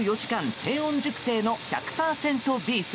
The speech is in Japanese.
低温熟成の１００％ビーフ。